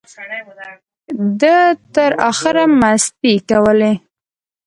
ده تر اخره مستۍ کولې.